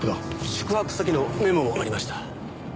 宿泊先のメモもありました。